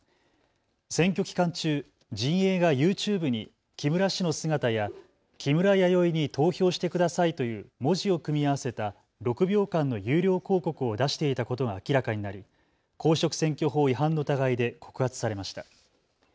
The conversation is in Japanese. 選挙期間中、陣営がＹｏｕＴｕｂｅに木村氏の姿や木村やよいに投票してくださいという文字を組み合わせた６秒間の有料広告を出していたことが明らかになり公職選挙法違反の疑いで告発されました。